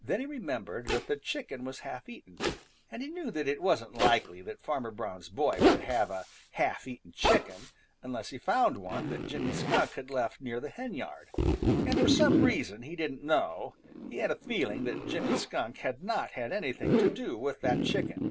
Then he remembered that the chicken was half eaten, and he knew that it wasn't likely that Farmer Brown's boy would have a half eaten chicken unless he had found one that Jimmy Skunk had left near the hen yard, and for some reason he didn't know, he had a feeling that Jimmy Skunk had not had anything to do with that chicken.